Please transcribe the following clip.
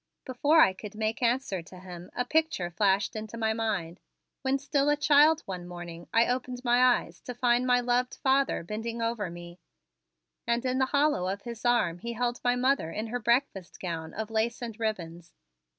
Before I could make answer to him a picture flashed into my mind. When still a child one morning I opened my eyes to find my loved father bending over me and in the hollow of his arm he held my mother in her breakfast gown of lace and ribbons.